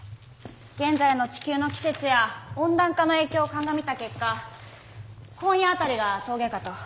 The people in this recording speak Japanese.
現在の地球の季節や温暖化の影響を鑑みた結果今夜辺りが峠かと。